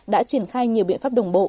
đã triển khai nhiều biện pháp đồng bộ